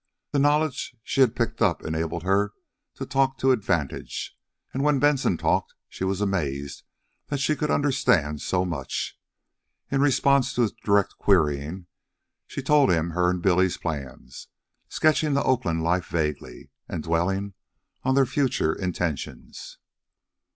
The knowledge she had picked up enabled her to talk to advantage, and when Benson talked she was amazed that she could understand so much. In response to his direct querying, she told him her and Billy's plans, sketching the Oakland life vaguely, and dwelling on their future intentions.